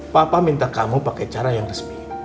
papa minta kamu pakai cara yang resmi